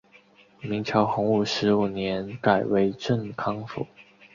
明朝洪武十五年改为镇康府。